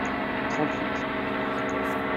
Trente-huit.